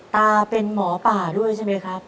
ตาเป็นหมอป่าด้วยใช่ไหมครับ